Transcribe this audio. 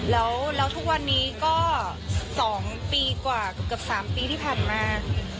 แล้วทุกวันนี้ก็๒ปีกว่าเกือบ๓ปีที่ผ่านมา